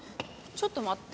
ちょっと待って。